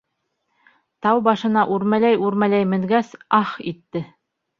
Тау башына үрмәләй-үрмәләй менгәс, аһ итте.